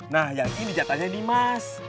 nah yang ini jatahnya nimas